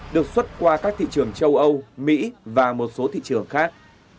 được xuất qua các thị trường châu âu mỹ và một số thị trường khác